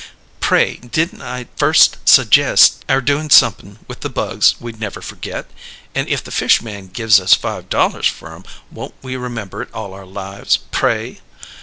Pray, didn't I first sajest our doing somep'n with the bugs we'd never forget, and if the fish man gives us five dollars for 'em won't we remember it all our lives, pray?